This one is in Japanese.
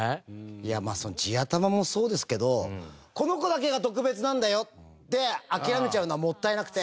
いやまあ地頭もそうですけど「この子だけが特別なんだよ」で諦めちゃうのはもったいなくて。